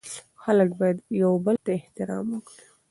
خلګ باید یوبل ته احترام ولري